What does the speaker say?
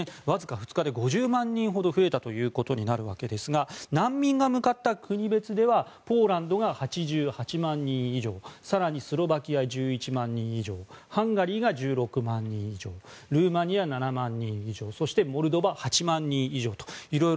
わずか２日で５０万人ほど増えたということになるわけですが難民が向かった国別ではポーランドが８８万人以上更にスロバキアが１１万人以上ハンガリーが１６万人以上ルーマニア、７万人以上そして、モルドバ８万人以上と。